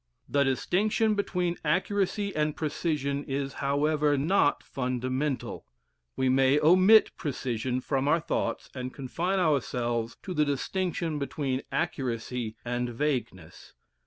The distinction between accuracy and precision is however, not fundamental. We may omit precision from out thoughts and confine ourselves to the distinction between accuracy and vagueness.